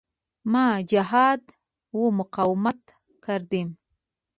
ما جهاد و مقاومت کردیم.